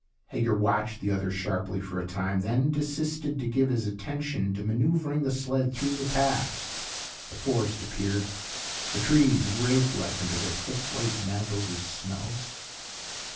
Hager watched the other sharply for a time, then desisted to give his attention to maneuvering the sled through the pass. The forest appeared, the trees wraith like under their thick, white mantles of snow.